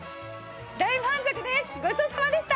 大満足です！